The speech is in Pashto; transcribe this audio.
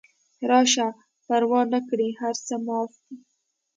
راشه پروا نکړي هر څه معاف دي